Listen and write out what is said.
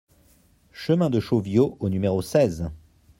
Chemin de Chauviau au numéro seize